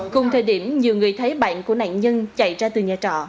cùng thời điểm nhiều người thấy bạn của nạn nhân chạy ra từ nhà trọ